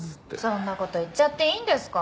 そんな事言っちゃっていいんですか？